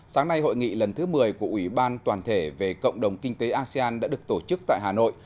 sáng nay hội nghị lần thứ một mươi của ủy ban toàn thể về cộng đồng kinh tế asean đã được tổ chức tại hà nội